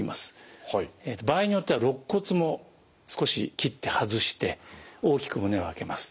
場合によってはろっ骨も少し切って外して大きく胸を開けます。